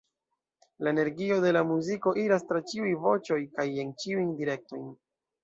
La energio de la muziko iras tra ĉiuj voĉoj kaj en ĉiujn direktojn.